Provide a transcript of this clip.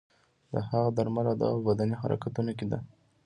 د هغه درمل او دوا په بدني حرکتونو کې ده.